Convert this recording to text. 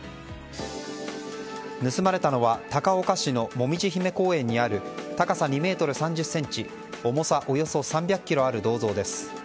盗まれたのは高岡市のもみじ姫公園にある高さ２ｍ３０ｃｍ重さおよそ３００ｋｇある銅像です。